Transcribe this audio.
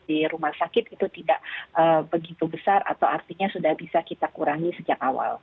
di rumah sakit itu tidak begitu besar atau artinya sudah bisa kita kurangi sejak awal